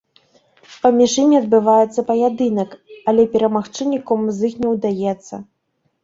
Паміж імі адбываецца паядынак, але перамагчы нікому з іх не ўдаецца.